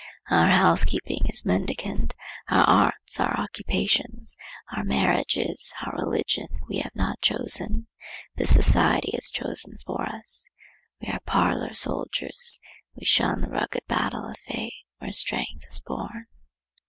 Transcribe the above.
Our housekeeping is mendicant, our arts, our occupations, our marriages, our religion we have not chosen, but society has chosen for us. We are parlor soldiers. We shun the rugged battle of fate, where strength is born.